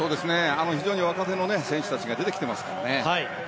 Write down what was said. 非常に若手の選手たちが出てきていますからね。